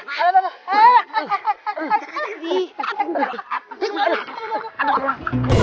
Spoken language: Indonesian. aduh aduh aduh